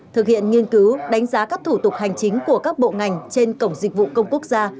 thực hiện nghiên cứu đánh giá các thủ tục hành chính của các bộ ngành trên cổng dịch vụ công quốc gia